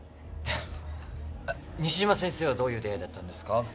ははっあっ西島先生はどういう出会いだったんですか？